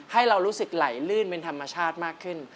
ให้เรารู้สึกไหลลื่นเป็นธรรมชาติมากขึ้น